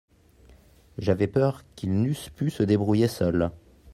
J'avais peur qu'ils n'eussent pu se débrouiller seuls.